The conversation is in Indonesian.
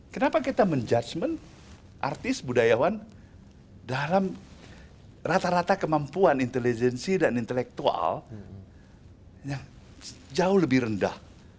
kenapa kita menjudgement artis budayawan dalam rata rata kemampuan intelijensi dan intelektual yang jauh lebih rendah